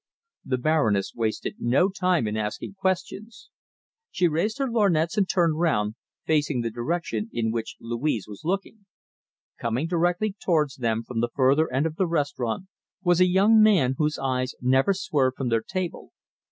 The Baroness wasted no time in asking questions. She raised her lorgnettes and turned round, facing the direction in which Louise was looking. Coming directly towards them from the further end of the restaurant was a young man, whose eyes never swerved from their table.